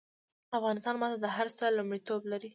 افغانستان ماته د هر څه لومړيتوب لري